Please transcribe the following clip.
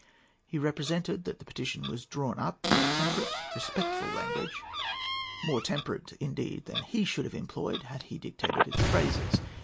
He represented that the petition was drawn up in temperate, respectful language,—more temperate, indeed, than he should have employed had he dictated its phrases.